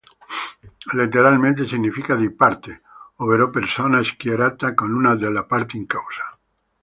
Letteralmente significa "di parte", ovvero persona schierata con una delle parti in causa.